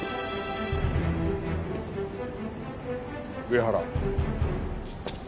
上原。